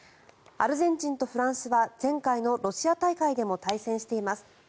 アルゼンチンとフランスは前回のロシア大会でも対戦しています。